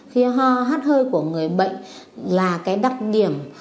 khi ho hát hơi của người bệnh là cái đặc điểm